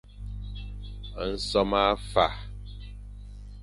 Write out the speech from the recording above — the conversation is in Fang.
Nsome a fa.